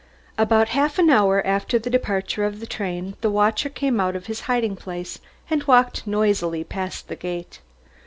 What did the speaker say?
About half an hour after the departure of the train the watcher came out of his hiding place and walked noisily past the gate.